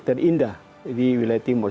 terindah di wilayah timur